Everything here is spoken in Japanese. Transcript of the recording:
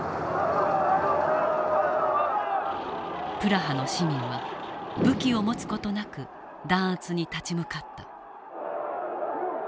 プラハの市民は武器を持つ事なく弾圧に立ち向かった。